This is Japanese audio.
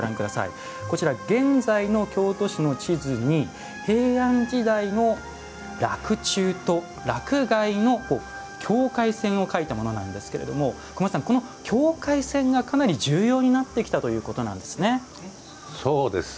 こちら、現在の京都市の地図に、平安時代の洛中と洛外の境界線を書いたものなんですがこの境界線が、かなり重要になってきたということなんですね。